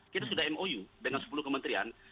kita sudah mou dengan sepuluh kementerian